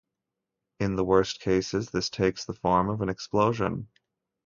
In the worst cases, this takes the form of an explosion.